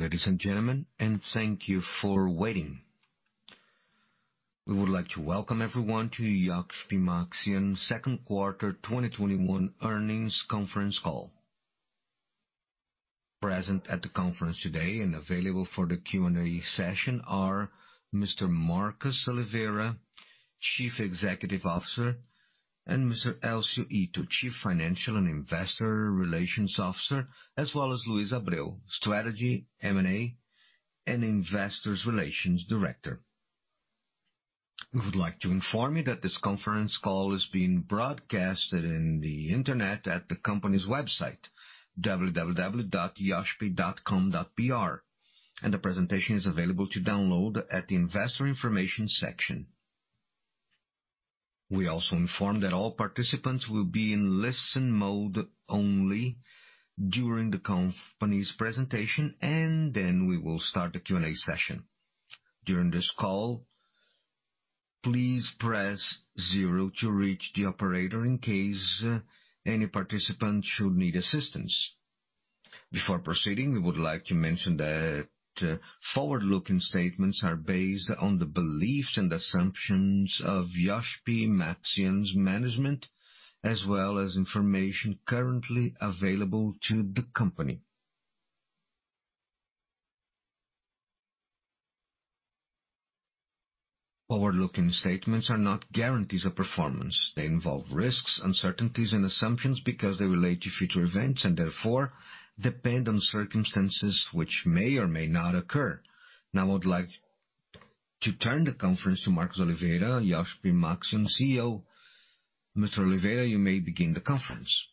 Good morning, ladies and gentlemen, and thank you for waiting. We would like to welcome everyone to Iochpe-Maxion second quarter 2021 earnings conference call. Present at the conference today and available for the Q&A session are Mr. Marcos Oliveira, Chief Executive Officer, and Mr. Elcio Ito, Chief Financial and Investor Relations Officer, as well as Luis Fernando Abreu, Director of Strategy, M&A, and Investor Relations. We would like to inform you that this conference call is being broadcasted on the internet at the company's website, www.iochpe.com.br. The presentation is available to download at the investor information section. We also inform that all participants will be in listen mode only during the company's presentation, and then we will start the Q&A session. During this call, please press zero to reach the operator in case any participant should need assistance. Before proceeding, we would like to mention that forward-looking statements are based on the beliefs and assumptions of Iochpe-Maxion's management, as well as information currently available to the company. Forward-looking statements are not guarantees of performance. They involve risks, uncertainties, and assumptions because they relate to future events, and therefore, depend on circumstances which may or may not occur. Now I would like to turn the conference to Marcos Oliveira, Iochpe-Maxion CEO. Mr. Oliveira, you may begin the conference.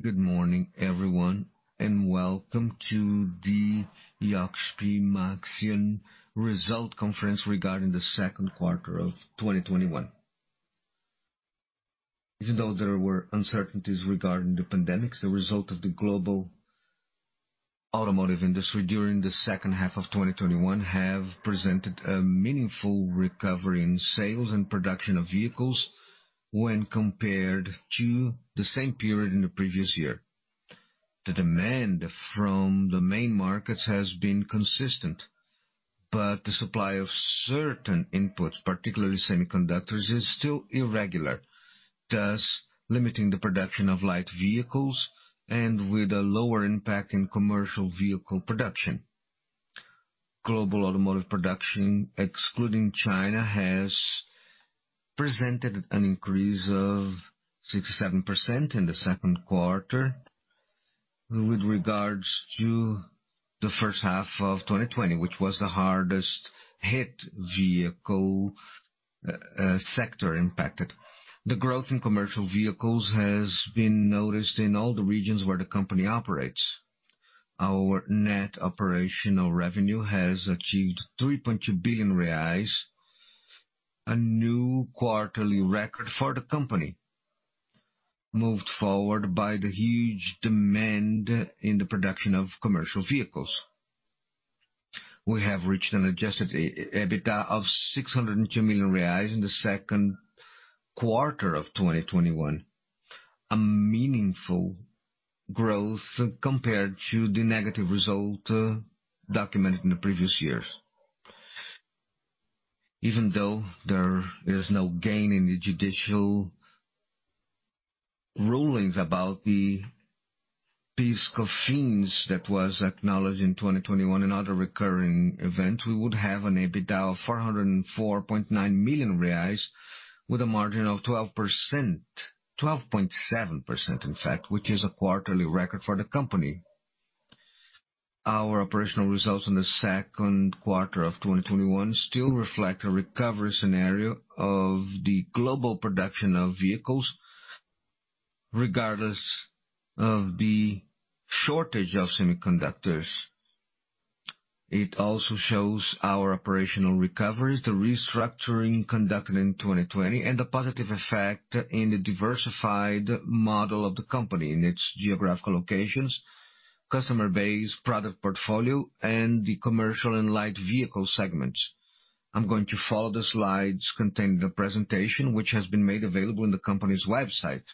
Good morning, everyone, welcome to the Iochpe-Maxion result conference regarding the second quarter of 2021. Even though there were uncertainties regarding the pandemic, the result of the global automotive industry during the second half of 2021 have presented a meaningful recovery in sales and production of vehicles when compared to the same period in the previous year. The demand from the main markets has been consistent, but the supply of certain inputs, particularly semiconductors, is still irregular, thus limiting the production of light vehicles and with a lower impact in commercial vehicle production. Global automotive production, excluding China, has presented an increase of 67% in the second quarter with regards to the first half of 2020, which was the hardest-hit vehicle sector impacted. The growth in commercial vehicles has been noticed in all the regions where the company operates. Our net operational revenue has achieved 3.2 billion reais, a new quarterly record for the company, moved forward by the huge demand in the production of commercial vehicles. We have reached an Adjusted EBITDA of 602 million reais in the second quarter of 2021, a meaningful growth compared to the negative result documented in the previous years. Even though there is no gain in the judicial rulings about the PIS/COFINS that was acknowledged in 2021 and other recurring event, we would have an EBITDA of 404.9 million reais with a margin of 12%. 12.7%, in fact, which is a quarterly record for the company. Our operational results in Q2 2021 still reflect a recovery scenario of the global production of vehicles, regardless of the shortage of semiconductors. It also shows our operational recovery, the restructuring conducted in 2020, and the positive effect in the diversified model of the company in its geographical locations, customer base, product portfolio, and the Commercial and Light Vehicle segments. I'm going to follow the slides containing the presentation, which has been made available on the company's website.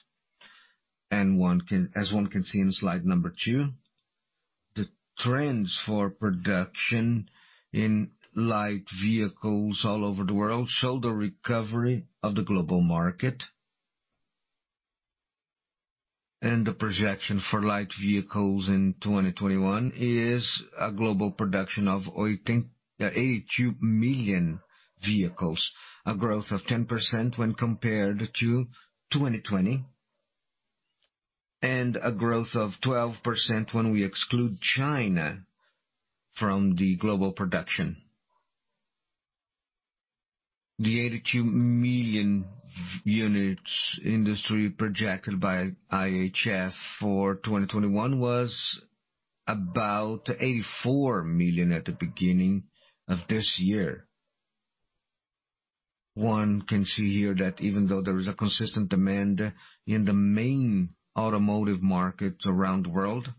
As one can see in slide number two, the trends for production in light vehicles all over the world show the recovery of the global market. The projection for light vehicles in 2021 is a global production of 82 million vehicles, a growth of 10% when compared to 2020, and a growth of 12% when we exclude China from the global production. The 82 million units industry projected by IHS Markit for 2021 was about 84 million at the beginning of this year. One can see here that even though there is a consistent demand in the main automotive markets around the world.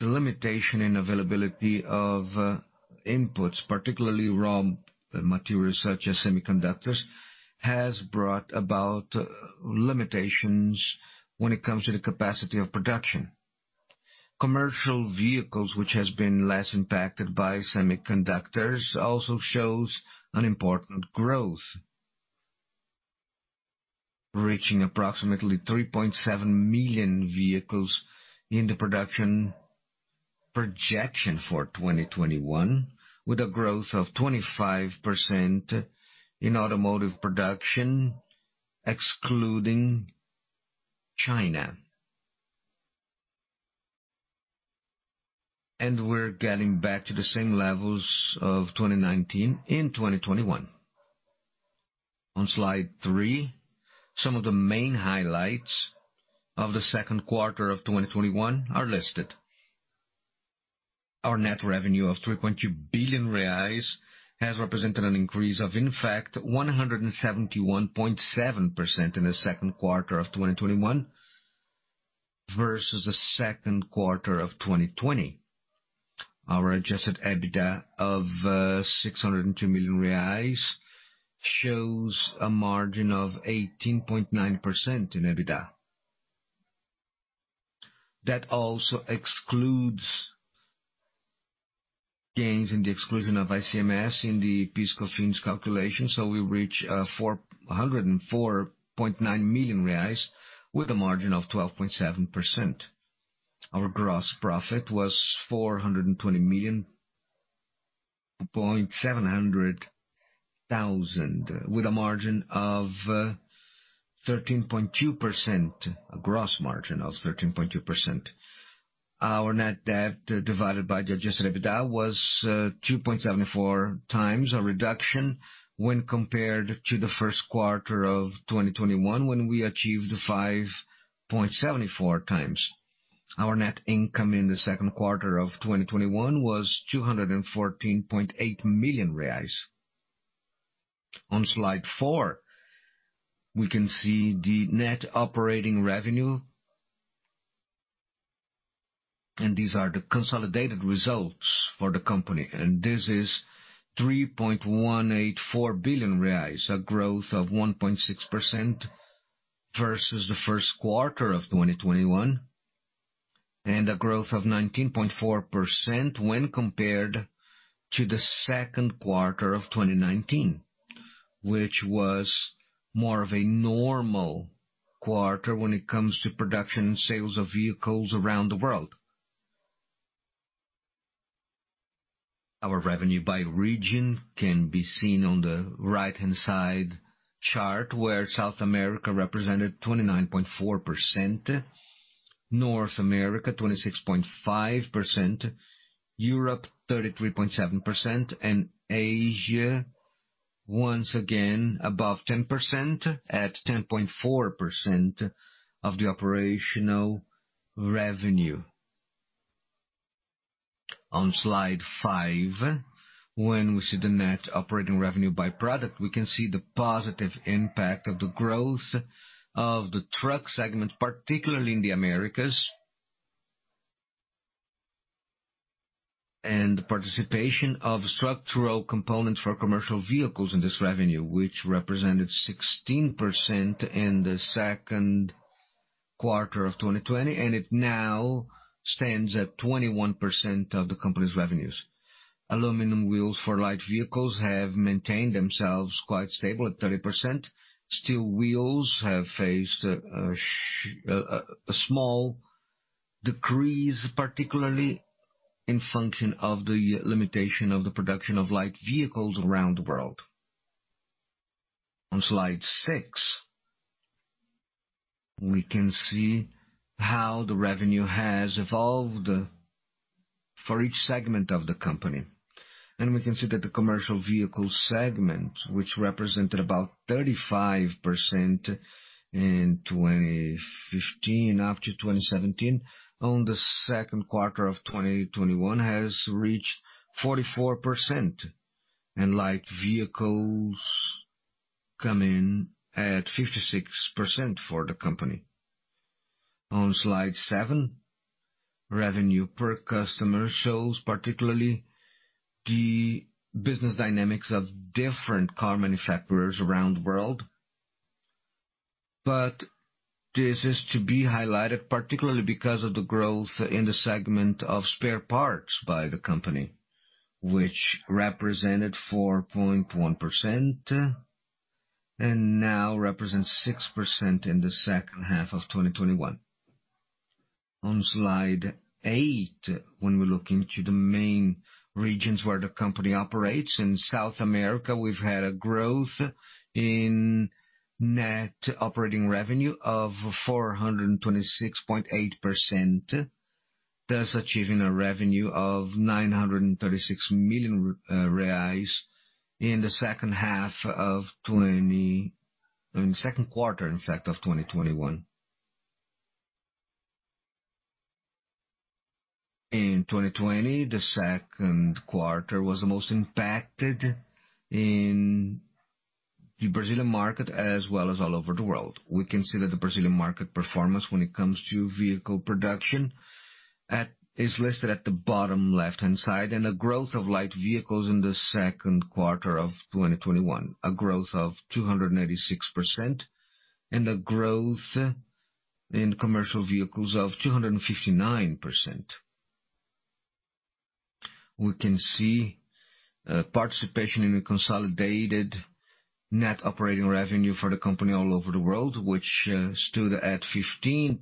The limitation and availability of inputs, particularly raw materials such as semiconductors, has brought about limitations when it comes to the capacity of production. Commercial vehicles, which has been less impacted by semiconductors, also shows an important growth, reaching approximately 3.7 million vehicles in the production projection for 2021, with a growth of 25% in automotive production, excluding China. We are getting back to the same levels of 2019 in 2021. On slide two, some of the main highlights of the second quarter of 2021 are listed. Our net revenue of 3.2 billion reais has represented an increase of 171.7% in the second quarter of 2021 versus the second quarter of 2020. Our Adjusted EBITDA of 602 million reais shows a margin of 18.9% in EBITDA. That also excludes gains in the exclusion of ICMS in the PIS/COFINS calculation, we reach 404.9 million reais with a margin of 12.7%. Our gross profit was BRL 420.7 million with a margin of 13.2%, a gross margin of 13.2%. Our net debt divided by the Adjusted EBITDA was 2.74x, a reduction when compared to the first quarter of 2021, when we achieved 5.74x. Our net income in the second quarter of 2021 was 214.8 million reais. On slide four, we can see the net operating revenue. These are the consolidated results for the company. This is 3.184 billion reais, a growth of 1.6% versus the first quarter of 2021, and a growth of 19.4% when compared to the second quarter of 2019, which was more of a normal quarter when it comes to production sales of vehicles around the world. Our revenue by region can be seen on the right-hand side chart, where South America represented 29.4%, North America 26.5%, Europe 33.7%, and Asia, once again above 10% at 10.4% of the operational revenue. On slide five, when we see the net operating revenue by product, we can see the positive impact of the growth of the truck segment, particularly in the Americas. The participation of structural components for commercial vehicles in this revenue, which represented 16% in the second quarter of 2020, and it now stands at 21% of the company's revenues. aluminum wheels for light vehicles have maintained themselves quite stable at 30%. steel wheels have faced a small decrease, particularly in function of the limitation of the production of light vehicles around the world. On slide six, we can see how the revenue has evolved for each segment of the company. We can see that the Commercial Vehicle segment, which represented about 35% in 2015 up to 2017, on the second quarter of 2021 has reached 44%. Light vehicles come in at 56% for the company. On slide seven, revenue per customer shows particularly the business dynamics of different car manufacturers around the world. This is to be highlighted particularly because of the growth in the segment of spare parts by the company, which represented 4.1% and now represents 6% in the second half of 2021. On slide eight, when we look into the main regions where the company operates. In South America, we've had a growth in net operating revenue of 426.8%, thus achieving a revenue of 936 million reais in the second quarter of 2021. In 2020, the second quarter was the most impacted in the Brazilian market as well as all over the world. We can see that the Brazilian market performance when it comes to vehicle production is listed at the bottom left-hand side, and the growth of light vehicles in the second quarter of 2021, a growth of 286%, and a growth in commercial vehicles of 259%. We can see participation in the consolidated net operating revenue for the company all over the world, which stood at 15%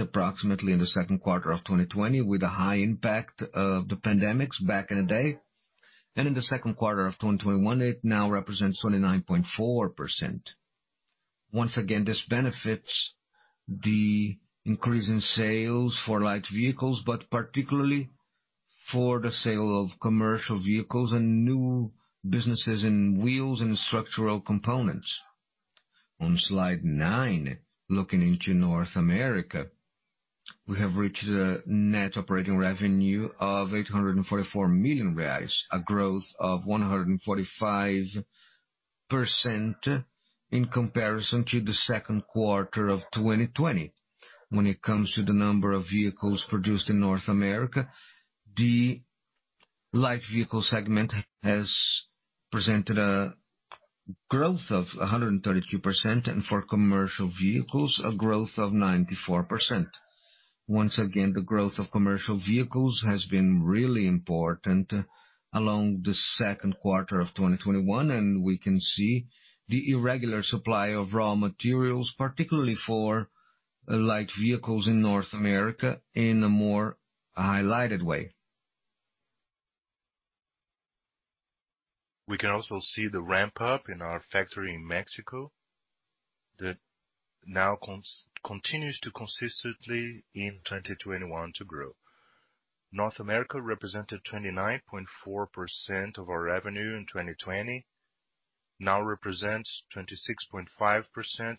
approximately in the second quarter of 2020 with a high impact of the pandemic back in the day. In the second quarter of 2021, it now represents 29.4%. Once again, this benefits the increase in sales for light vehicles, but particularly for the sale of commercial vehicles and new businesses in wheels and structural components. On slide nine, looking into North America, we have reached a net operating revenue of 844 million reais, a growth of 145% in comparison to the second quarter of 2020. When it comes to the number of vehicles produced in North America, the Light Vehicle segment has presented a growth of 132%, and for commercial vehicles, a growth of 94%. Once again, the growth of commercial vehicles has been really important along the second quarter of 2021, and we can see the irregular supply of raw materials, particularly for light vehicles in North America, in a more highlighted way. We can also see the ramp-up in our factory in Mexico that now continues to consistently in 2021 to grow. North America represented 29.4% of our revenue in 2020. Now represents 26.5%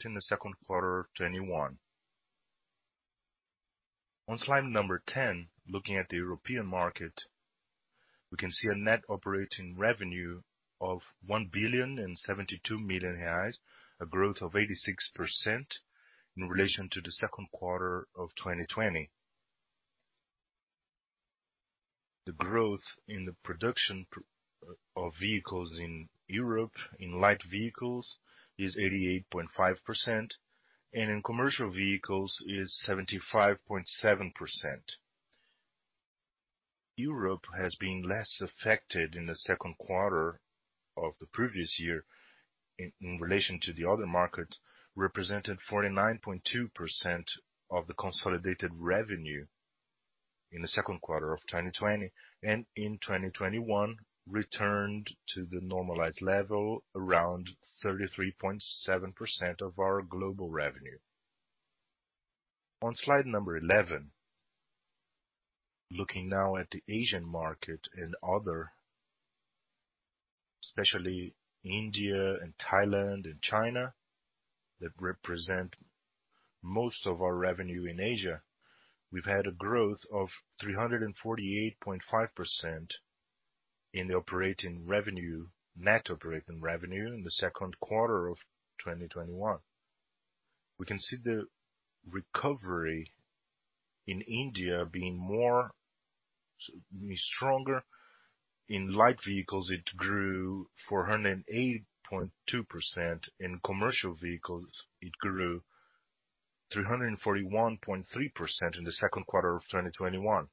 in the second quarter of 2021. On slide number 10, looking at the European market, we can see a net operating revenue of 1,072 million reais, a growth of 86% in relation to the second quarter of 2020. The growth in the production of vehicles in Europe in light vehicles is 88.5%, and in commercial vehicles is 75.7%. Europe has been less affected in the second quarter of the previous year in relation to the other market, represented 49.2% of the consolidated revenue in the second quarter of 2020, and in 2021, returned to the normalized level, around 33.7% of our global revenue. On slide number 11, looking now at the Asian market and other, especially India and Thailand and China, that represent most of our revenue in Asia. We've had a growth of 348.5% in the net operating revenue in the second quarter of 2021. We can see the recovery in India being more stronger. In light vehicles, it grew 408.2%. In commercial vehicles, it grew 341.3% in the second quarter of 2021.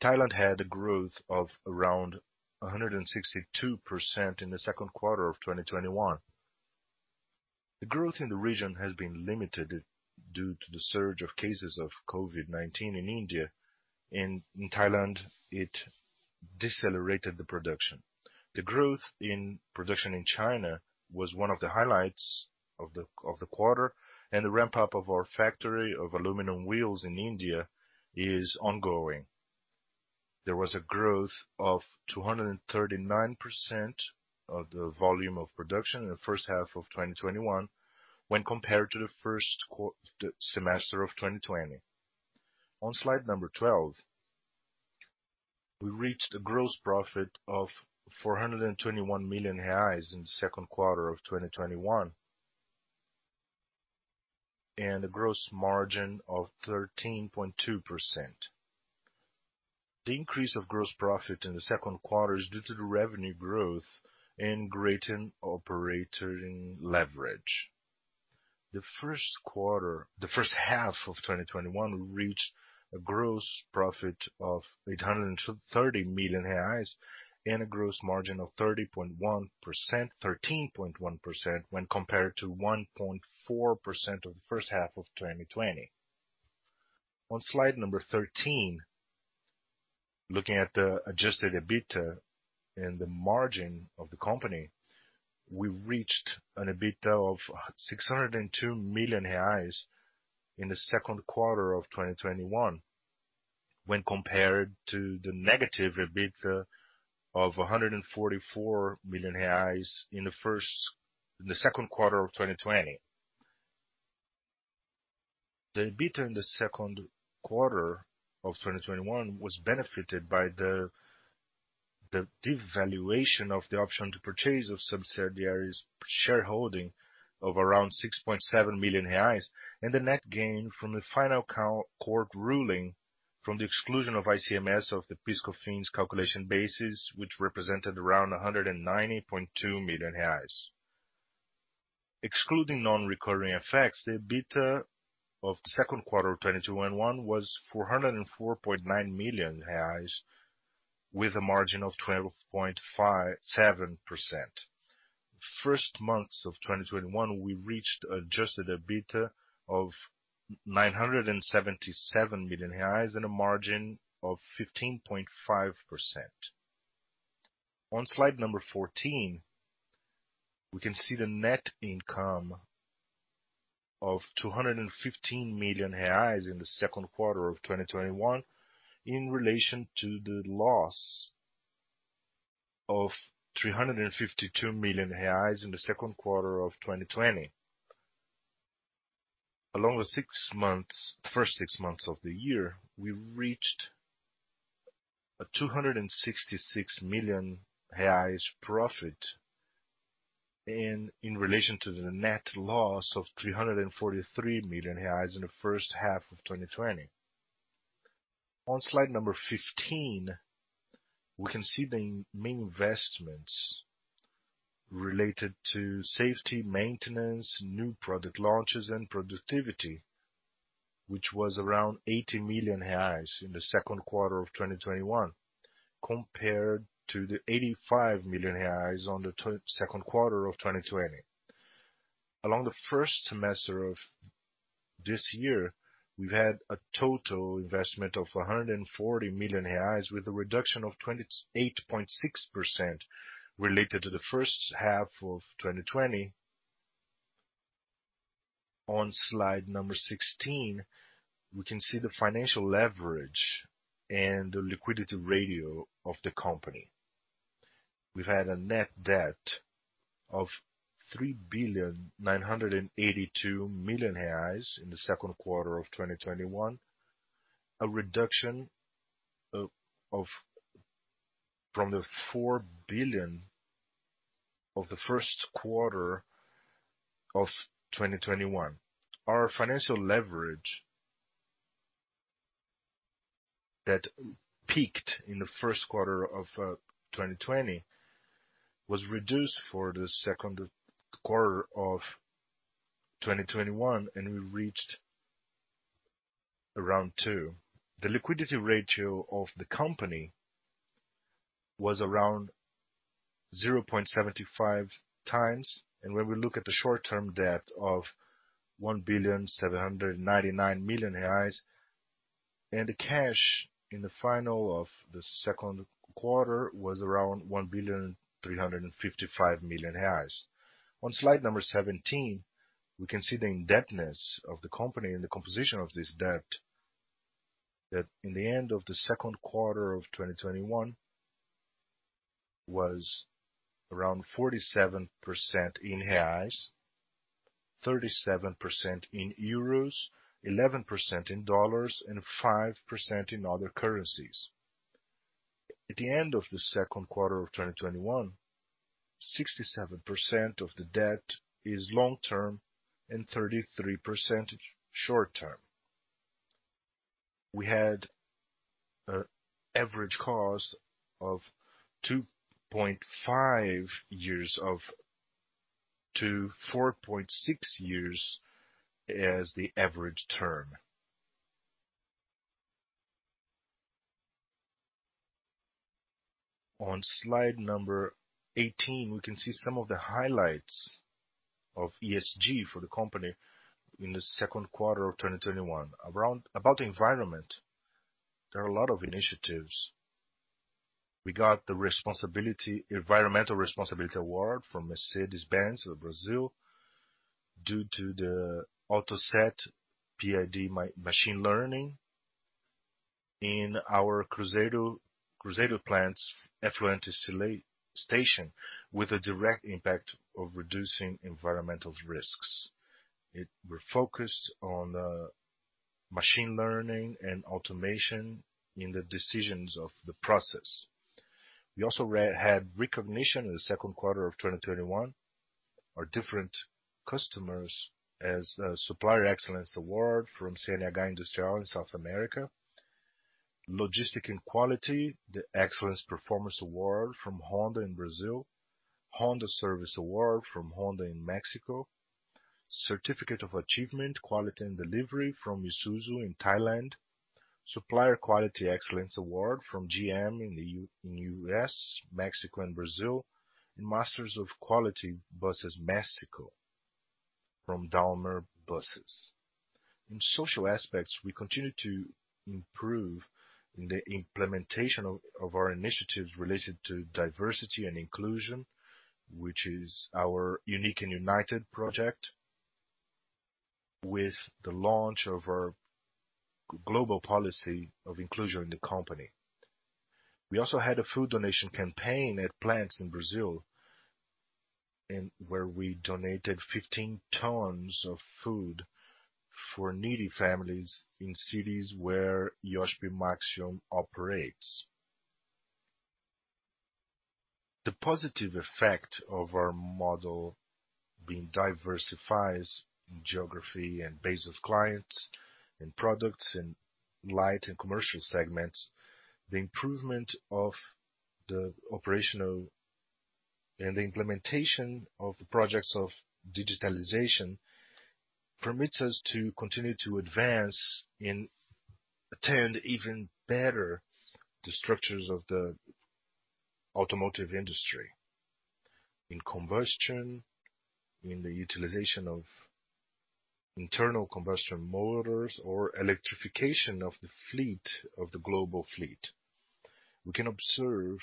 Thailand had a growth of around 162% in the second quarter of 2021. The growth in the region has been limited due to the surge of cases of COVID-19 in India and in Thailand, it decelerated the production. The growth in production in China was one of the highlights of the quarter, and the ramp-up of our factory of aluminum wheels in India is ongoing. There was a growth of 239% of the volume of production in the first half of 2021 when compared to the first semester of 2020. On slide number 12, we reached a gross profit of 421 million reais in the second quarter of 2021 and a gross margin of 13.2%. The increase of gross profit in the second quarter is due to the revenue growth and greater operating leverage. The first half of 2021, we reached a gross profit of 830 million reais and a gross margin of 13.1% when compared to 1.4% of the first half of 2020. On slide 13, looking at the Adjusted EBITDA and the margin of the company, we reached an EBITDA of 602 million reais in the second quarter of 2021 when compared to the negative EBITDA of 144 million reais in the second quarter of 2020. The EBITDA in the second quarter of 2021 was benefited by the devaluation of the option to purchase of subsidiaries shareholding of around 6.7 million reais and the net gain from the final court ruling from the exclusion of ICMS of the PIS/COFINS calculation basis, which represented around 190.2 million reais. Excluding non-recurring effects, the EBITDA of the second quarter of 2021 was 404.9 million reais, with a margin of 12.7%. First months of 2021, we reached Adjusted EBITDA of 977 million reais and a margin of 15.5%. On slide number 14, we can see the net income of 215 million reais in the second quarter of 2021 in relation to the loss of 352 million reais in the second quarter of 2020. Along the first six months of the year, we reached a BRL 266 million profit in relation to the net loss of 343 million reais in the first half of 2020. On slide number 15, we can see the main investments related to safety, maintenance, new product launches and productivity, which was around 80 million reais in the second quarter of 2021, compared to the 85 million reais on the second quarter of 2020. Along the first semester of this year, we've had a total investment of 140 million reais with a reduction of 28.6% related to the first half of 2020. On slide number 16, we can see the financial leverage and the liquidity ratio of the company. We've had a net debt of 3 billion reais, 982 million in the second quarter of 2021, a reduction from the 4 billion of the first quarter of 2021. Our financial leverage that peaked in the first quarter of 2020 was reduced for the second quarter of 2021, and we reached around two. The liquidity ratio of the company was around 0.75x, and when we look at the short-term debt of 1.799 billion reais, and the cash in the final of the second quarter was around 1.355 billion. On slide number 17, we can see the indebtedness of the company and the composition of this debt, that in the end of the second quarter of 2021 was around 47% in BRL, 37% in Euros, 11% in U.S. dollars, and 5% in other currencies. At the end of the second quarter of 2021, 67% of the debt is long-term and 33% short-term. We had an average cost of 2.5-4.6 years as the average term. On slide 18, we can see some of the highlights of Environmental, Social, and Governance for the company in the second quarter of 2021. About the environment, there are a lot of initiatives. We got the Environmental Responsibility Award from Mercedes-Benz of Brazil due to the Autoset Proportional-Integral-Derivative machine learning in our Cruzeiro plant's effluent station with a direct impact of reducing environmental risks. We're focused on machine learning and automation in the decisions of the process. We also had recognition in the second quarter of 2021. Our different customers as Supplier Excellence Award from CNH Industrial in South America, Logistic and Quality, the Excellence Performance Award from Honda in Brazil, Honda Service Award from Honda in Mexico, Certificate of Achievement, Quality and Delivery from Isuzu in Thailand, Supplier Quality Excellence Award from GM in U.S., Mexico and Brazil, and Masters of Quality Buses México from Daimler Buses. In social aspects, we continue to improve in the implementation of our initiatives related to diversity and inclusion, which is our Unique and United project with the launch of our global policy of inclusion in the company. We also had a food donation campaign at plants in Brazil. Where we donated 15 tons of food for needy families in cities where Iochpe-Maxion operates. The positive effect of our model being diversified in geography and base of clients, in products, in light and commercial segments, the improvement of the operational and the implementation of the projects of digitalization, permits us to continue to advance and attend even better the structures of the automotive industry. In combustion, in the utilization of internal combustion motors or electrification of the global fleet. We can observe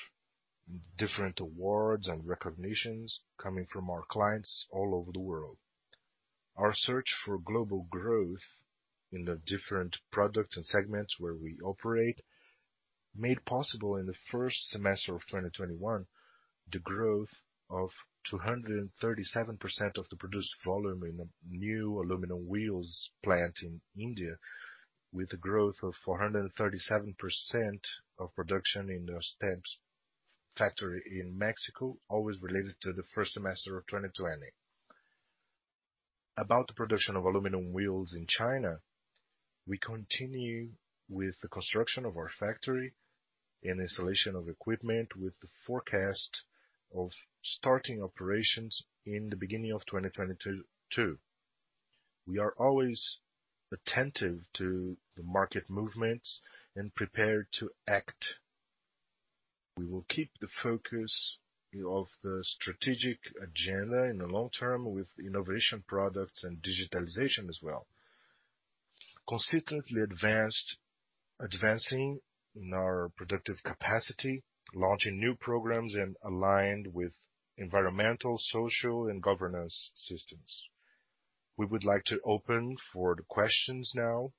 different awards and recognitions coming from our clients all over the world. Our search for global growth in the different products and segments where we operate, made possible in the first semester of 2021, the growth of 237% of the produced volume in a new aluminum wheels plant in India, with a growth of 437% of production in the stamps factory in Mexico, always related to the first semester of 2020. About the production of aluminum wheels in China, we continue with the construction of our factory and installation of equipment with the forecast of starting operations in the beginning of 2022. We are always attentive to the market movements and prepared to act. We will keep the focus of the strategic agenda in the long term with innovation products and digitalization as well. Consistently advancing in our productive capacity, launching new programs and aligned with environmental, social and governance systems. We would like to open for the questions now.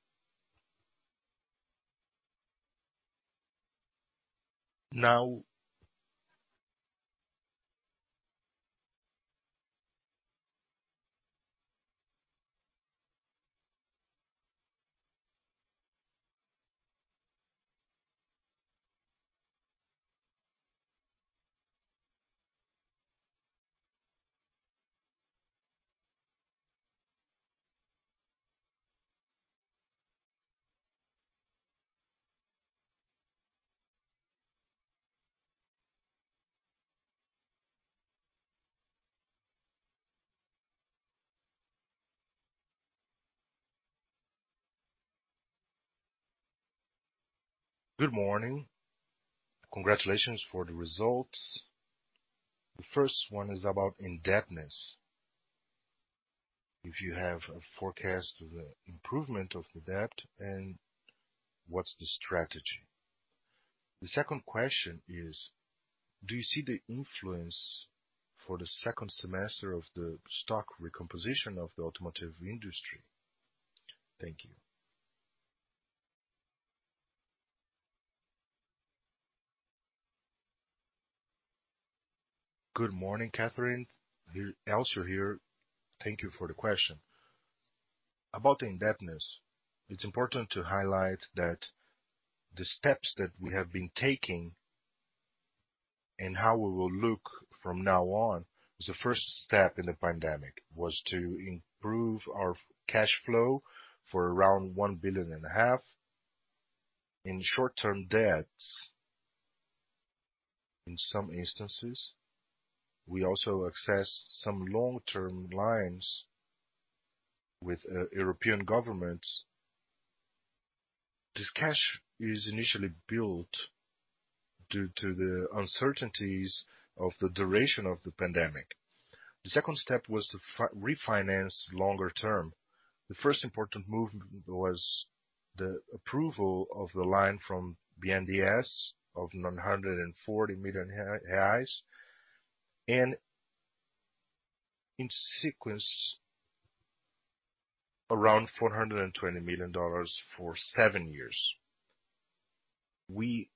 Good morning. Congratulations for the results. The first one is about indebtedness. If you have a forecast of the improvement of the debt, what's the strategy? The second question is: do you see the influence for the second semester of the stock recomposition of the automotive industry? Thank you. Good morning, Catherine. Elcio here. Thank you for the question. About the indebtedness, it's important to highlight that the steps that we have been taking and how we will look from now on, was the first step in the pandemic to improve our cash flow for around 1.5 billion in short-term debts. In some instances, we also accessed some long-term lines with European governments. This cash is initially built due to the uncertainties of the duration of the pandemic. The second step was to refinance longer term. The first important movement was the approval of the line from BNDES of BRL 940 million. In sequence, around $420 million for seven years. We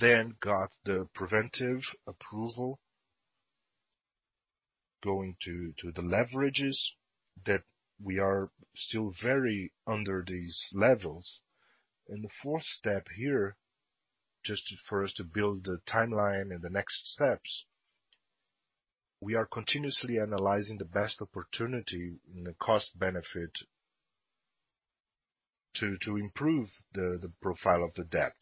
got the preventive approval, going to the leverages that we are still very under these levels. The fourth step here, just for us to build the timeline and the next steps, we are continuously analyzing the best opportunity and the cost benefit to improve the profile of the debt.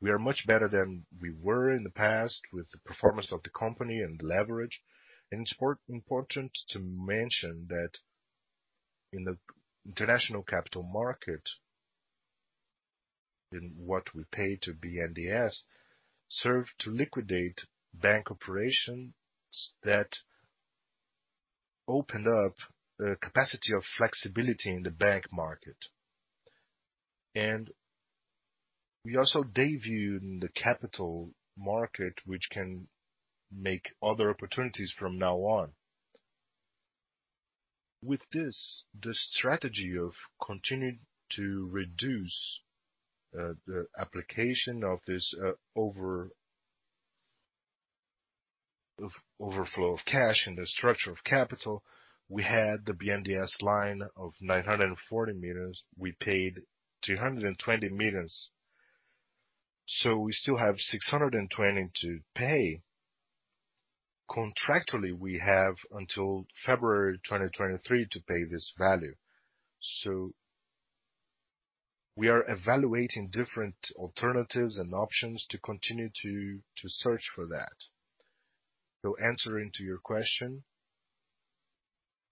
We are much better than we were in the past with the performance of the company and the leverage. It's important to mention that in the international capital market, in what we pay to BNDES, serve to liquidate bank operations that opened up a capacity of flexibility in the bank market. We also debuted in the capital market, which can make other opportunities from now on. With this, the strategy of continuing to reduce the application of this overflow of cash in the structure of capital, we had the BNDES line of 940 million. We paid 220 million. We still have 620 to pay. Contractually, we have until February 2023 to pay this value. We are evaluating different alternatives and options to continue to search for that. Answering to your question,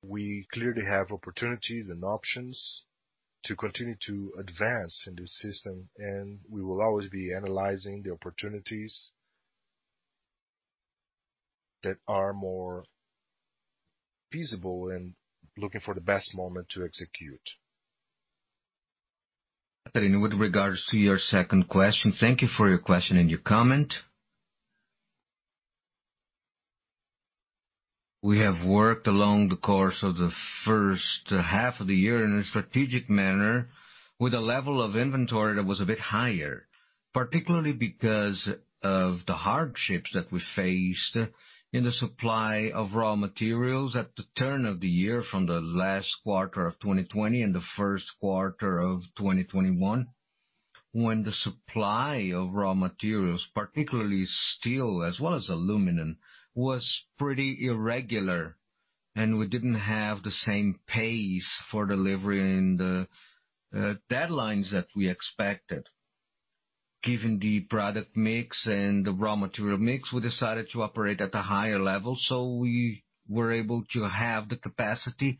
we clearly have opportunities and options to continue to advance in this system, and we will always be analyzing the opportunities that are more feasible and looking for the best moment to execute. Catherine, with regards to your second question, thank you for your question and your comment. We have worked along the course of the first half of the year in a strategic manner with a level of inventory that was a bit higher, particularly because of the hardships that we faced in the supply of raw materials at the turn of the year from the last quarter of 2020 and the first quarter of 2021, when the supply of raw materials, particularly steel as well as aluminum, was pretty irregular, and we didn't have the same pace for delivery and the deadlines that we expected. Given the product mix and the raw material mix, we decided to operate at a higher level, so we were able to have the capacity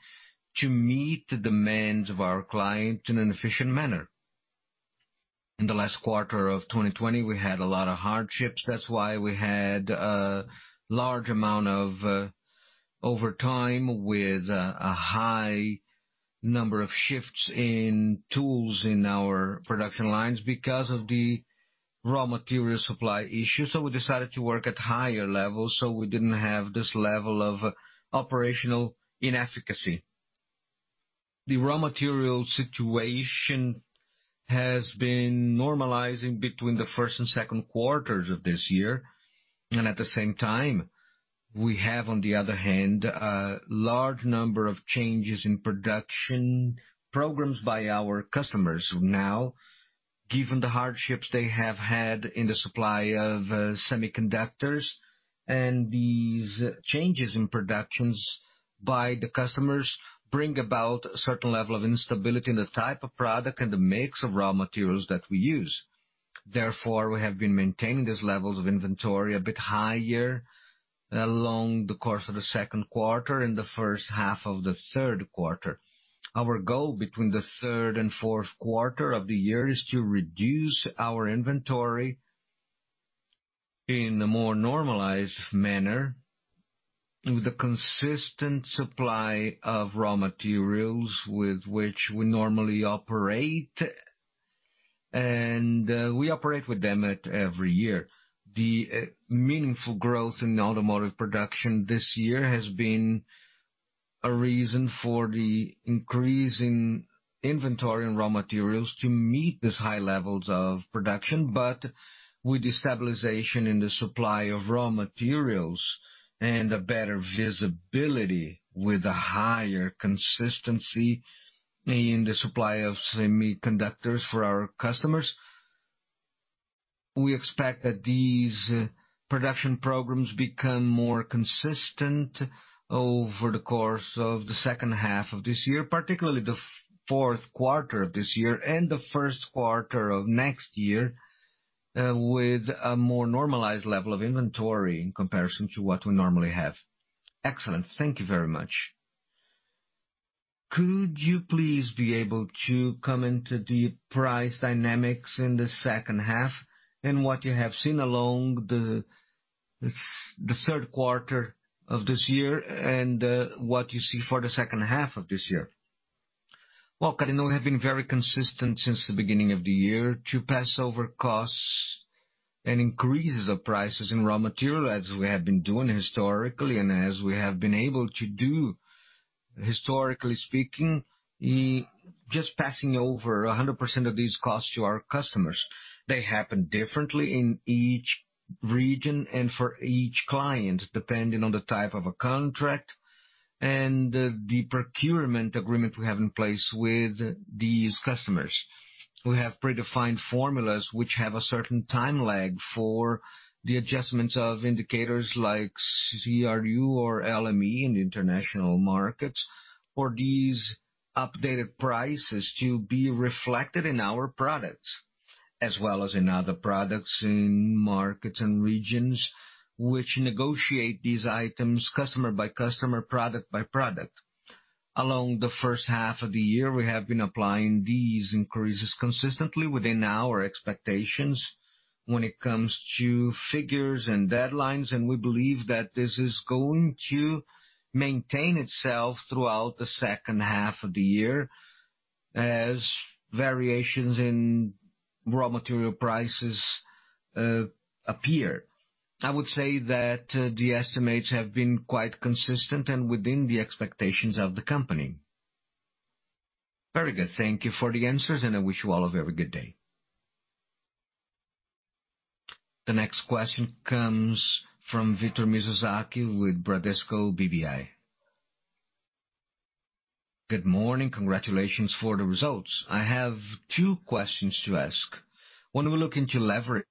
to meet the demands of our client in an efficient manner. In the last quarter of 2020, we had a lot of hardships. That's why we had a large amount of overtime with a high number of shifts in tools in our production lines because of the raw material supply issue. We decided to work at higher levels so we didn't have this level of operational inefficacy. The raw material situation has been normalizing between the first and second quarters of this year. At the same time, we have, on the other hand, a large number of changes in production programs by our customers now, given the hardships they have had in the supply of semiconductors. These changes in productions by the customers bring about a certain level of instability in the type of product and the mix of raw materials that we use. Therefore, we have been maintaining these levels of inventory a bit higher along the course of the second quarter and the first half of the third quarter. Our goal between the third and fourth quarter of the year is to reduce our inventory in a more normalized manner with the consistent supply of raw materials with which we normally operate, and we operate with them at every year. The meaningful growth in automotive production this year has been a reason for the increase in inventory and raw materials to meet these high levels of production. With the stabilization in the supply of raw materials and a better visibility with a higher consistency in the supply of semiconductors for our customers, we expect that these production programs become more consistent over the course of the Second half of this year, particularly the Fourth quarter of this year and the First quarter of next year, with a more normalized level of inventory in comparison to what we normally have. Excellent. Thank you very much. Could you please be able to comment the price dynamics in the second half and what you have seen along the third quarter of this year and what you see for the second half of this year? Well, Catherine, we have been very consistent since the beginning of the year to pass over costs and increases of prices in raw material as we have been doing historically and as we have been able to do, historically speaking, just passing over 100% of these costs to our customers. They happen differently in each region and for each client, depending on the type of a contract and the procurement agreement we have in place with these customers. We have predefined formulas which have a certain time lag for the adjustments of indicators like Commodity Research Unit or London Metal Exchange in the international markets for these updated prices to be reflected in our products, as well as in other products in markets and regions which negotiate these items customer by customer, product by product. Along the first half of the year, we have been applying these increases consistently within our expectations when it comes to figures and deadlines. We believe that this is going to maintain itself throughout the second half of the year as variations in raw material prices appear. I would say that the estimates have been quite consistent and within the expectations of the company. Very good. Thank you for the answers, and I wish you all a very good day. The next question comes from Victor Mizusaki with Bradesco BBI. Good morning. Congratulations for the results. I have two questions to ask. When we look into leverage,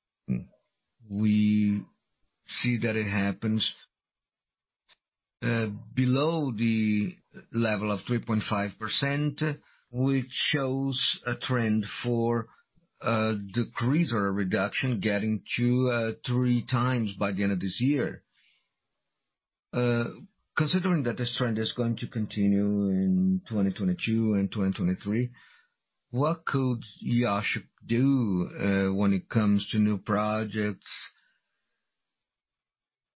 we see that it happens below the level of 3.5%, which shows a trend for a decrease or a reduction getting to 3x by the end of this year. Considering that this trend is going to continue in 2022 and 2023, what could Iochpe do when it comes to new projects,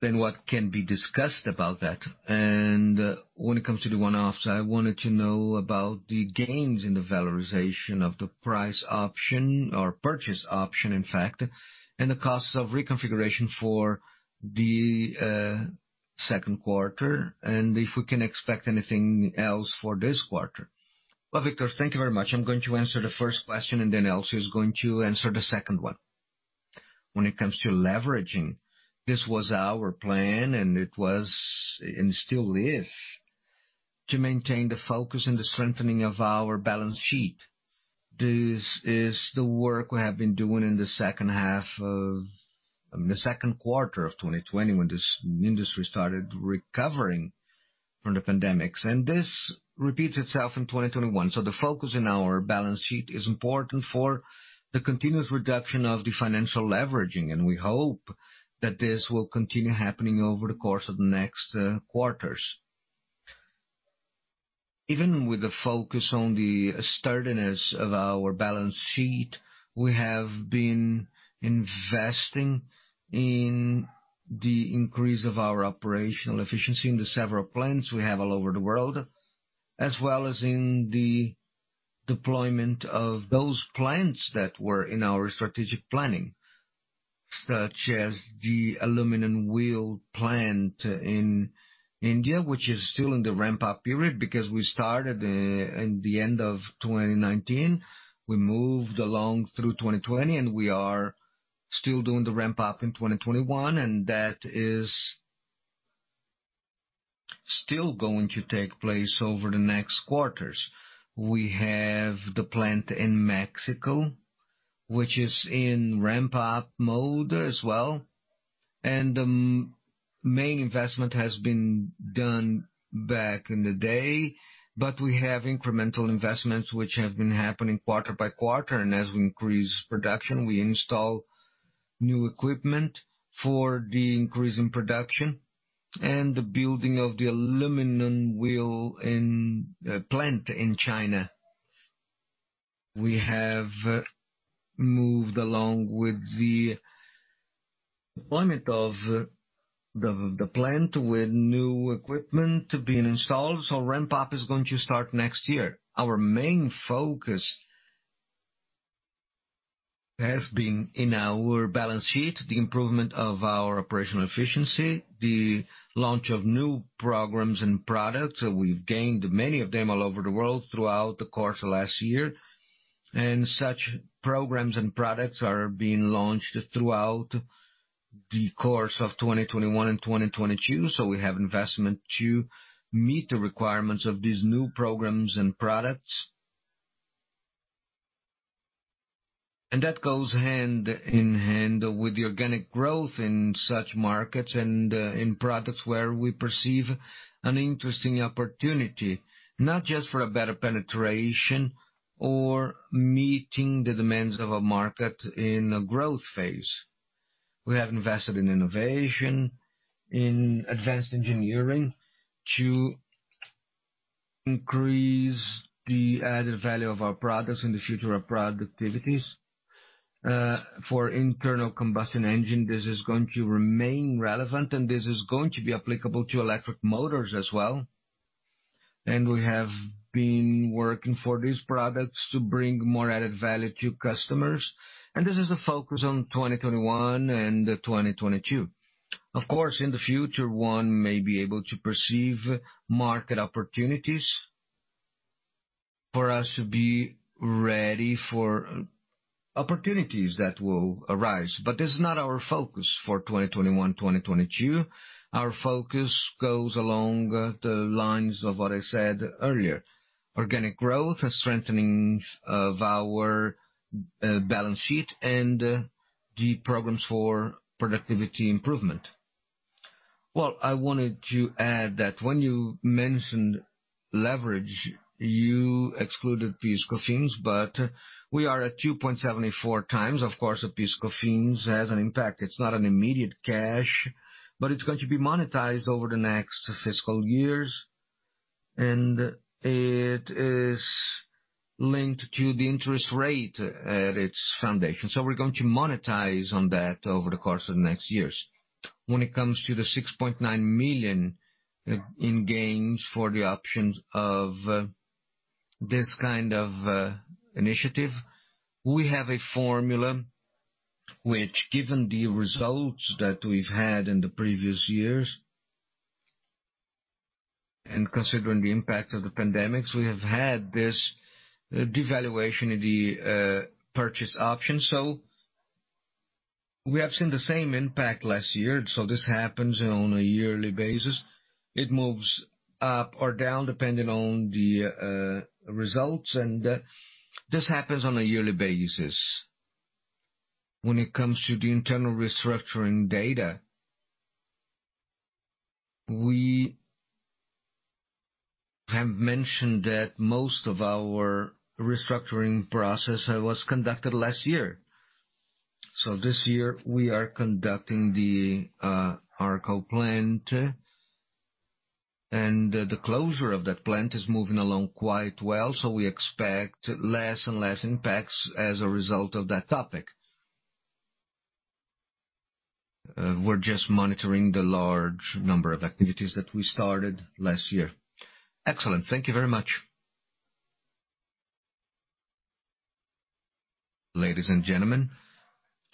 then what can be discussed about that? When it comes to the one-offs, I wanted to know about the gains in the valorization of the price option or purchase option in fact, and the costs of reconfiguration for the second quarter, and if we can expect anything else for this quarter. Well, Victor, thank you very much. I'm going to answer the first question, and then Alcides is going to answer the second one. When it comes to leveraging, this was our plan, and it was, and still is, to maintain the focus and the strengthening of our balance sheet. This is the work we have been doing in the second quarter of 2020, when this industry started recovering from the pandemics. This repeats itself in 2021. The focus in our balance sheet is important for the continuous reduction of the financial leveraging. We hope that this will continue happening over the course of the next quarters. Even with the focus on the sturdiness of our balance sheet, we have been investing in the increase of our operational efficiency in the several plants we have all over the world, as well as in the deployment of those plants that were in our strategic planning, such as the aluminum wheel plant in India, which is still in the ramp-up period, because we started in the end of 2019. We moved along through 2020, and we are still doing the ramp-up in 2021, and that is still going to take place over the next quarters. We have the plant in Mexico, which is in ramp-up mode as well, and the main investment has been done back in the day, but we have incremental investments which have been happening quarter by quarter. As we increase production, we install new equipment for the increase in production. The building of the aluminum wheel plant in China. We have moved along with the deployment of the plant with new equipment being installed. Ramp-up is going to start next year. Our main focus has been in our balance sheet, the improvement of our operational efficiency, the launch of new programs and products. We've gained many of them all over the world throughout the course of last year. Such programs and products are being launched throughout the course of 2021 and 2022. We have investment to meet the requirements of these new programs and products. That goes hand in hand with the organic growth in such markets and in products where we perceive an interesting opportunity, not just for a better penetration or meeting the demands of a market in a growth phase. We have invested in innovation, in advanced engineering to increase the added value of our products in the future productivities. For internal combustion engine, this is going to remain relevant, and this is going to be applicable to electric motors as well. We have been working for these products to bring more added value to customers. This is the focus on 2021 and 2022. Of course, in the future, one may be able to perceive market opportunities for us to be ready for opportunities that will arise. This is not our focus for 2021, 2022. Our focus goes along the lines of what I said earlier, organic growth, a strengthening of our balance sheet, and the programs for productivity improvement. Well, I wanted to add that when you mentioned leverage, you excluded PIS/COFINS, but we are at 2.74x. Of course, PIS/COFINS has an impact. It's not an immediate cash, but it's going to be monetized over the next fiscal years. It is linked to the interest rate at its foundation. We're going to monetize on that over the course of the next years. When it comes to the 6.9 million in gains for the options of. This kind of initiative, we have a formula which given the results that we've had in the previous years and considering the impact of the pandemics, we have had this devaluation of the purchase option. We have seen the same impact last year. This happens on a yearly basis. It moves up or down depending on the results. This happens on a yearly basis. When it comes to the internal restructuring data, we have mentioned that most of our restructuring process was conducted last year. This year we are conducting our Cologne Plant, and the closure of that plant is moving along quite well. We expect less and less impacts as a result of that topic. We're just monitoring the large number of activities that we started last year. Excellent. Thank you very much. Ladies and gentlemen,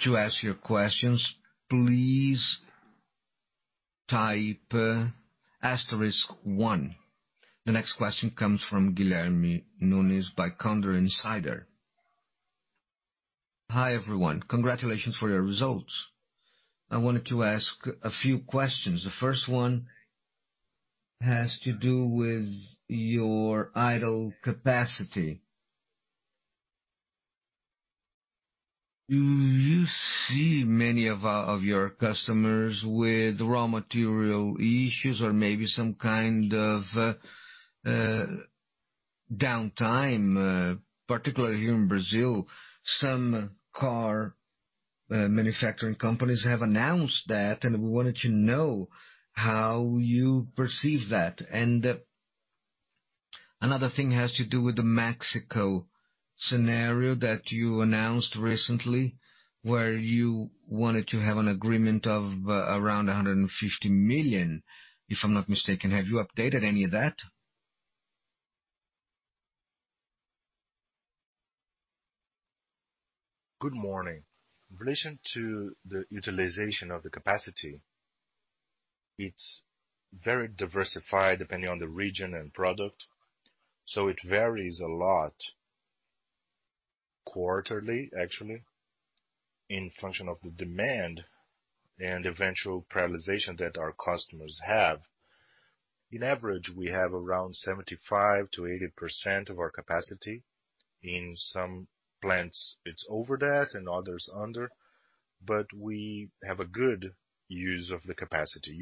to ask your question, please type asterisk one. The next question comes from Guilherme Nunes by Condor Insider. Hi everyone. Congratulations for your results. I wanted to ask a few questions. The first one has to do with your idle capacity. Do you see many of your customers with raw material issues or maybe some kind of downtime, particularly here in Brazil? We wanted to know how you perceive that. Another thing has to do with the Mexico scenario that you announced recently, where you wanted to have an agreement of around 150 million, if I'm not mistaken. Have you updated any of that? Good morning. In relation to the utilization of the capacity, it's very diversified depending on the region and product. It varies a lot quarterly, actually, in function of the demand and eventual paralyzation that our customers have. On average, we have around 75%-80% of our capacity. In some plants, it's over that and others under, but we have a good use of the capacity.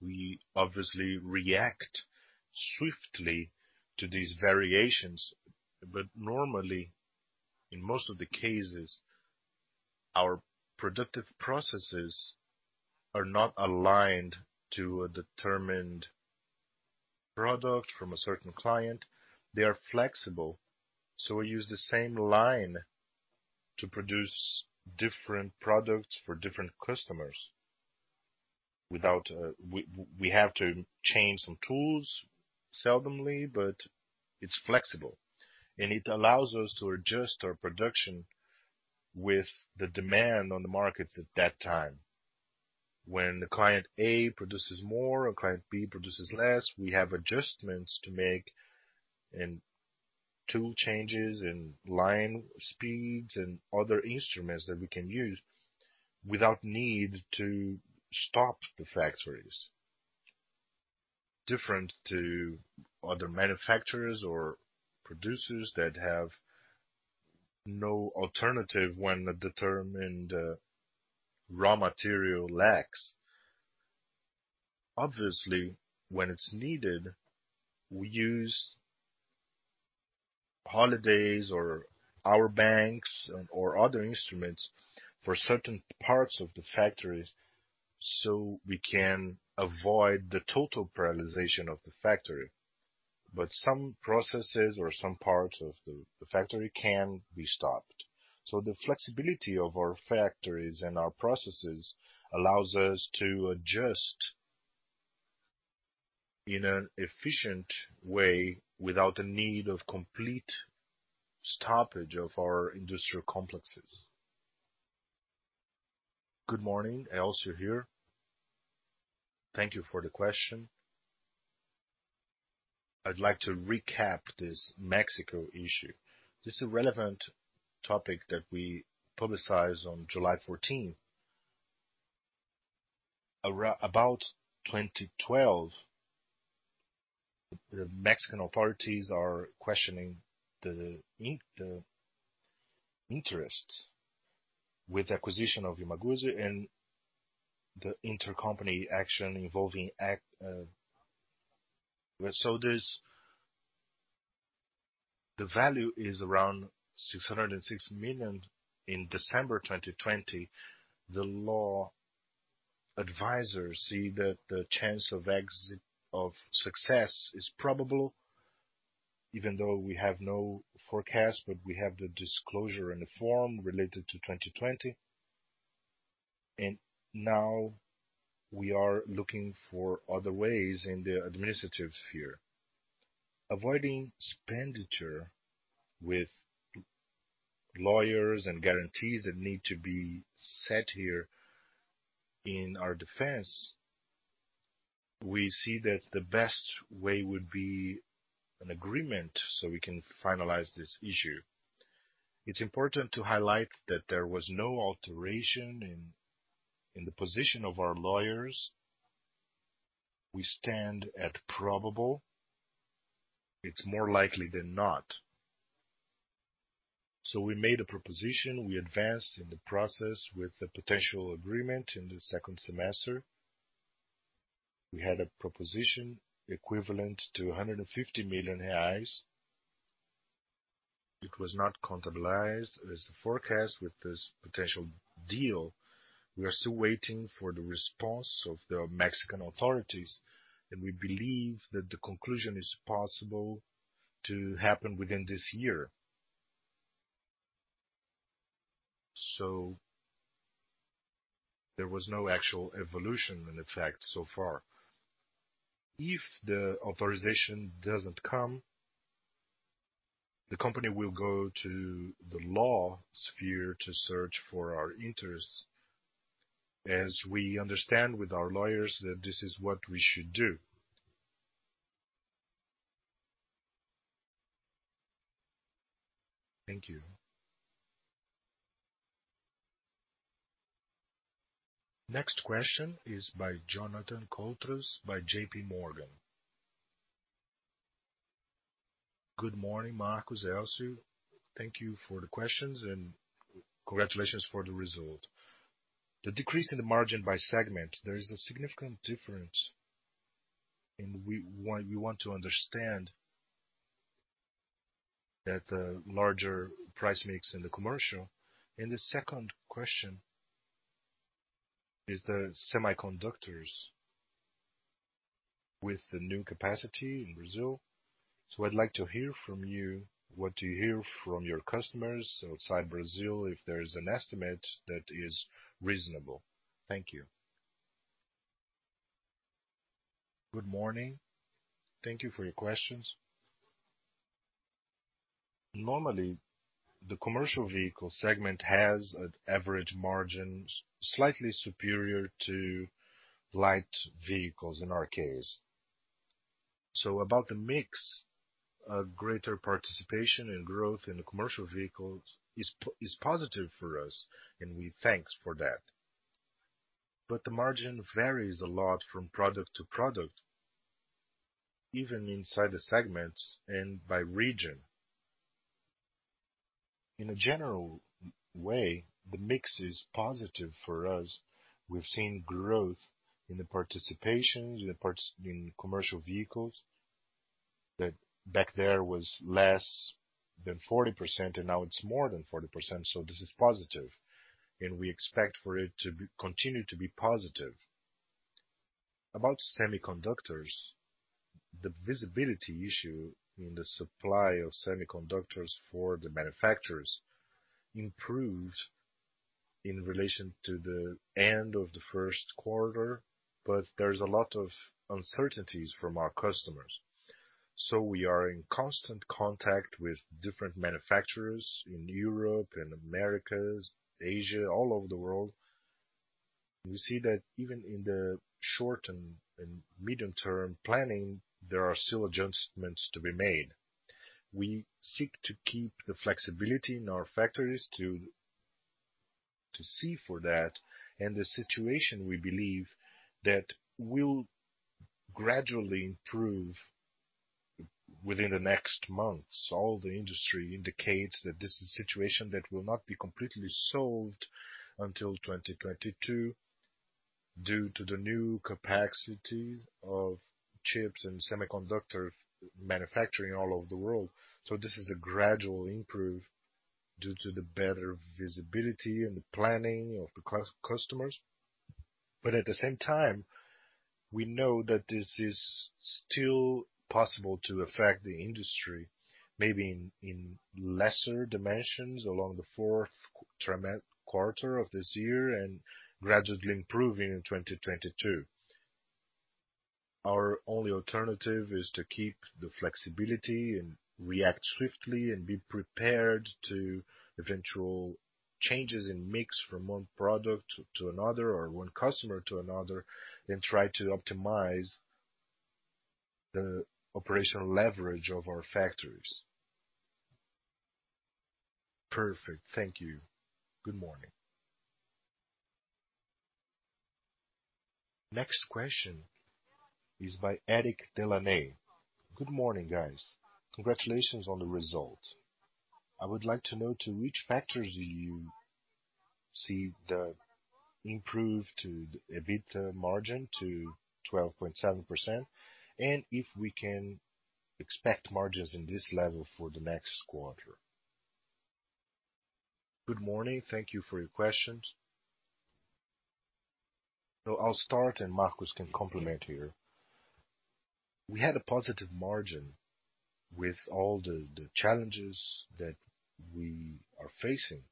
We obviously react swiftly to these variations, but normally, in most of the cases, our productive processes are not aligned to a determined product from a certain client. They are flexible. We use the same 1 line to produce different products for different customers. We have to change some tools seldomly, but it's flexible, and it allows us to adjust our production with the demand on the market at that time. When the client A produces more or client B produces less, we have adjustments to make and tool changes and line speeds and other instruments that we can use without need to stop the factories. Different to other manufacturers or producers that have no alternative when a determined raw material lacks. Obviously, when it's needed, we use holidays or hour banks or other instruments for certain parts of the factories, so we can avoid the total paralyzation of the factory. Some processes or some parts of the factory can be stopped. The flexibility of our factories and our processes allows us to adjust in an efficient way without a need of complete stoppage of our industrial complexes. Good morning. Elcio here. Thank you for the question. I'd like to recap this Mexico issue. This is a relevant topic that we publicized on July 14th. About 2012, the Mexican authorities are questioning the interest with acquisition of INMAGUSA and the intercompany action involving act. The value is around 606 million. In December 2020, the law advisors see that the chance of success is probable, even though we have no forecast, but we have the disclosure and the form related to 2020. Now we are looking for other ways in the administrative sphere. Avoiding expenditure with lawyers and guarantees that need to be set here in our defense, we see that the best way would be an agreement so we can finalize this issue. It's important to highlight that there was no alteration in the position of our lawyers. We stand at probable. It's more likely than not. We made a proposition. We advanced in the process with the potential agreement in the second semester. We had a proposition equivalent to 150 million reais. It was not accounted. There's the forecast with this potential deal. We are still waiting for the response of the Mexican authorities, and we believe that the conclusion is possible to happen within this year. There was no actual evolution in effect so far. If the authorization doesn't come, the company will go to the law sphere to search for our interests, as we understand with our lawyers that this is what we should do. Thank you. Next question is by Jonathan Couto by JPMorgan. Good morning, Marcos, Elcio. Thank you for the questions, congratulations for the result. The decrease in the margin by segment, there is a significant difference, we want to understand that the larger price mix in the commercial. The second question is the semiconductors with the new capacity in Brazil. I'd like to hear from you, what do you hear from your customers outside Brazil, if there is an estimate that is reasonable? Thank you. Good morning. Thank you for your questions. Normally, the commercial vehicle segment has an average margin, slightly superior to light vehicles in our case. About the mix, a greater participation and growth in the commercial vehicles is positive for us, and we thanks for that. The margin varies a lot from product to product, even inside the segments and by region. In a general way, the mix is positive for us. We've seen growth in the participation in commercial vehicles, that back there was less than 40%, and now it's more than 40%, so this is positive, and we expect for it to continue to be positive. About semiconductors, the visibility issue in the supply of semiconductors for the manufacturers improved in relation to the end of the first quarter, but there's a lot of uncertainties from our customers. We are in constant contact with different manufacturers in Europe and Americas, Asia, all over the world. We see that even in the short and medium-term planning, there are still adjustments to be made. We seek to keep the flexibility in our factories to see for that, and the situation we believe that will gradually improve within the next months. All the industry indicates that this is a situation that will not be completely solved until 2022 due to the new capacity of chips and semiconductor manufacturing all over the world. This is a gradual improve due to the better visibility and the planning of the customers. At the same time, we know that this is still possible to affect the industry, maybe in lesser dimensions along the fourth quarter of this year and gradually improving in 2022. Our only alternative is to keep the flexibility and react swiftly and be prepared to eventual changes in mix from one product to another or one customer to another and try to optimize the operational leverage of our factories. Perfect. Thank you. Good morning. Next question is by Eric Delaney. Good morning, guys. Congratulations on the result. I would like to know to which factors do you see the improve to EBITDA margin to 12.7%, and if we can expect margins in this level for the next quarter. Good morning. Thank you for your questions. I'll start, and Marcos can complement here. We had a positive margin with all the challenges that we are facing.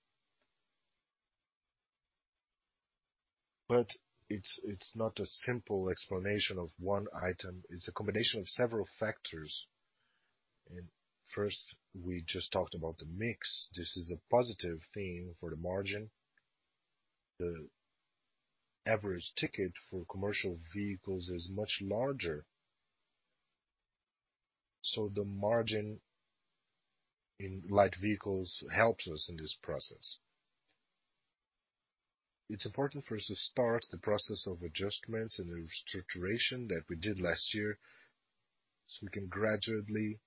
It's not a simple explanation of one item, it's a combination of several factors. First, we just talked about the mix. This is a positive thing for the margin. The average ticket for commercial vehicles is much larger. The margin in light vehicles helps us in this process. It's important for us to start the process of adjustments and the structuring that we did last year, so we can gradually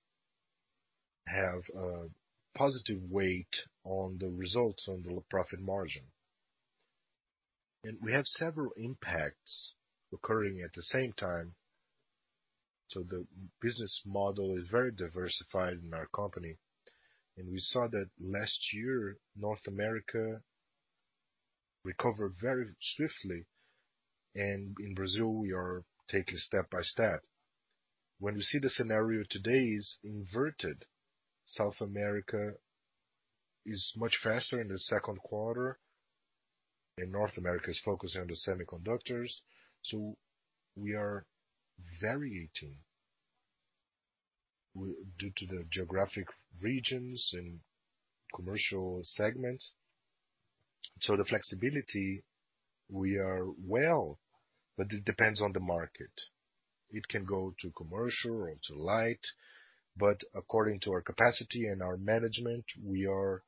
have a positive weight on the results on the profit margin. We have several impacts occurring at the same time. The business model is very diversified in our company. We saw that last year, North America recovered very swiftly. In Brazil, we are taking step by step. When we see the scenario today is inverted, South America is much faster in the second quarter, and North America is focusing on the semiconductors. We are variating due to the geographic regions and commercial segments. The flexibility, we are well, but it depends on the market. It can go to commercial or to light, according to our capacity and our management, we are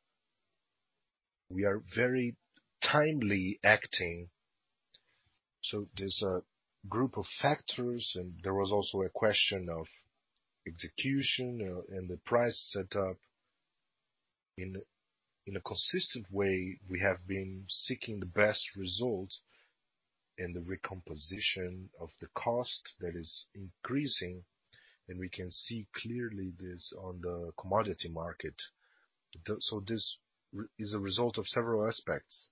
very timely acting. There's a group of factors, and there was also a question of execution and the price setup. In a consistent way, we have been seeking the best result in the recomposition of the cost that is increasing, and we can see clearly this on the commodity market. This is a result of several aspects.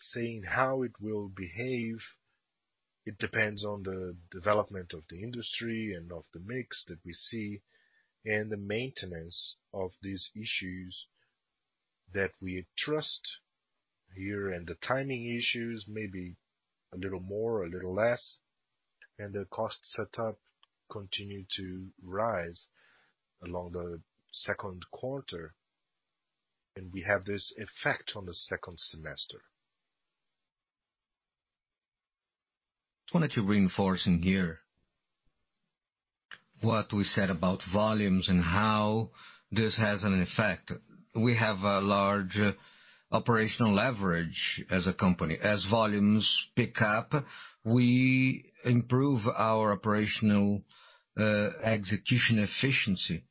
Saying how it will behave, it depends on the development of the industry and of the mix that we see and the maintenance of these issues that we trust here and the timing issues, maybe a little more or a little less, and the cost setup continue to rise along the second quarter. We have this effect on the second semester. Just wanted to reinforce in here what we said about volumes and how this has an effect. We have a large operational leverage as a company. As volumes pick up, we improve our operational execution efficiency.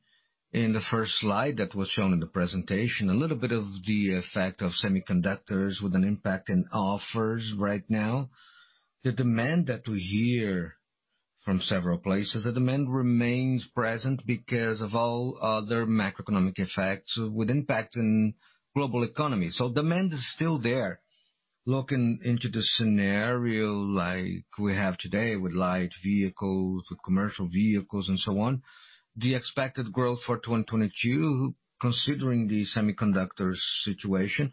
In the first slide that was shown in the presentation, a little bit of the effect of semiconductors with an impact in offers right now. The demand that we hear from several places, the demand remains present because of all other macroeconomic effects with impact in global economy. Demand is still there. Looking into the scenario like we have today with light vehicles, with commercial vehicles, and so on, the expected growth for 2022, considering the semiconductors situation,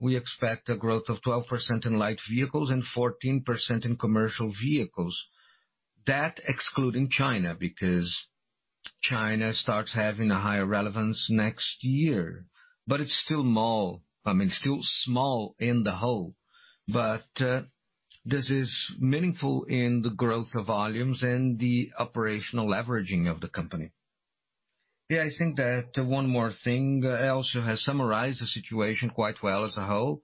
we expect a growth of 12% in light vehicles and 14% in commercial vehicles, excluding China, because China starts having a higher relevance next year, but it's still small in the whole. This is meaningful in the growth of volumes and the operational leveraging of the company. Yeah, I think that one more thing, Elcio Ito has summarized the situation quite well as a whole.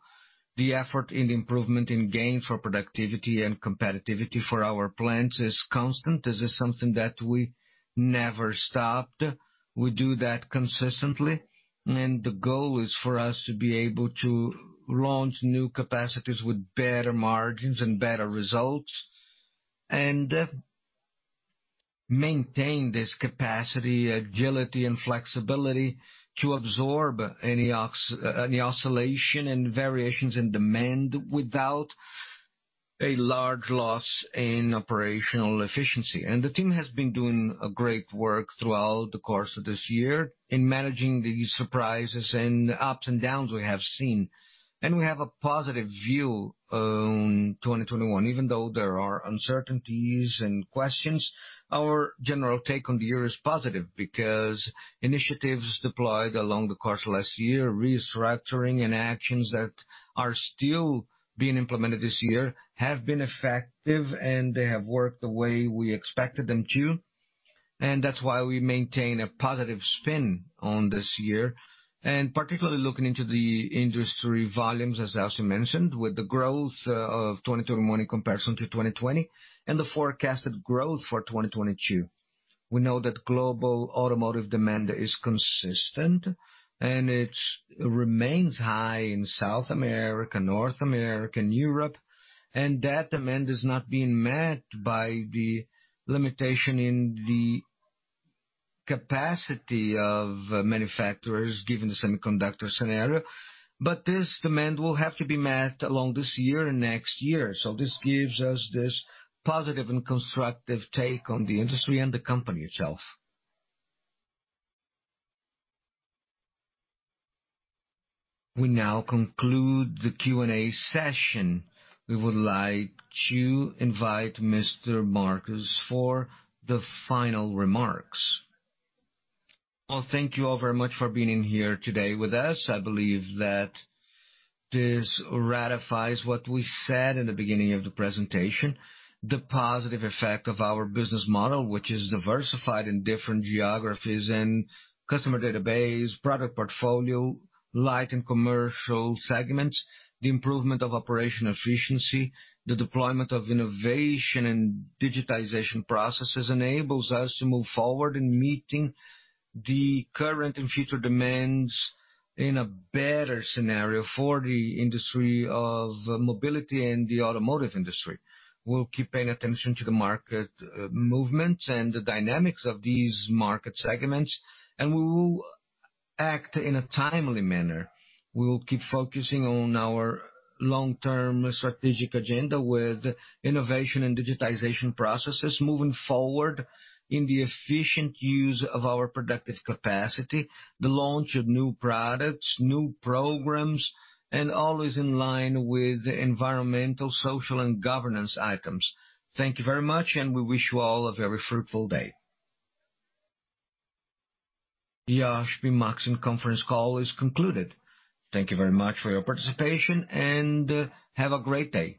The effort in the improvement in gain for productivity and competitivity for our plants is constant. This is something that we never stopped. We do that consistently, and the goal is for us to be able to launch new capacities with better margins and better results and maintain this capacity, agility, and flexibility to absorb any oscillation and variations in demand without a large loss in operational efficiency. The team has been doing a great work throughout the course of this year in managing the surprises and ups and downs we have seen. We have a positive view on 2021. Even though there are uncertainties and questions, our general take on the year is positive because initiatives deployed along the course of last year, restructuring and actions that are still being implemented this year, have been effective and they have worked the way we expected them to. That's why we maintain a positive spin on this year. Particularly looking into the industry volumes, as Elcio mentioned, with the growth of 2021 in comparison to 2020 and the forecasted growth for 2022. We know that global automotive demand is consistent, and it remains high in South America, North America, and Europe, and that demand is not being met by the limitation in the capacity of manufacturers, given the semiconductor scenario. This demand will have to be met along this year and next year. This gives us this positive and constructive take on the industry and the company itself. We now conclude the Q&A session. We would like to invite Mr. Marcos for the final remarks Well, thank you all very much for being here today with us. I believe that this ratifies what we said in the beginning of the presentation, the positive effect of our business model, which is diversified in different geographies and customer database, product portfolio, light and commercial segments. The improvement of operation efficiency, the deployment of innovation and digitization processes enables us to move forward in meeting the current and future demands in a better scenario for the industry of mobility and the automotive industry. We'll keep paying attention to the market movements and the dynamics of these market segments. We will act in a timely manner. We will keep focusing on our long-term strategic agenda with innovation and digitization processes moving forward in the efficient use of our productive capacity, the launch of new products, new programs, always in line with environmental, social, and governance items. Thank you very much. We wish you all a very fruitful day. The Iochpe-Maxion conference call is concluded. Thank you very much for your participation, and have a great day.